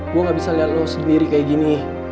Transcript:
gue gak bisa lihat lo sendiri kayak gini